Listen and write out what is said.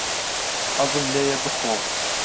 حەزم لێیە بخۆم.